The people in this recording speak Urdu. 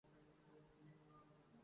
برہم ہے بزمِ غنچہ بہ یک جنبشِ نشاط